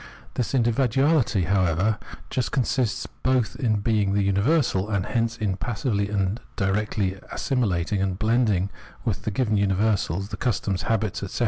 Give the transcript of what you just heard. This individuahty, however, just consists both in being the universal, and hence in passively and directly assimilating and blending with the given universals, the customs, habits, etc.